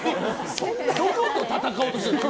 どこと戦おうとしてる。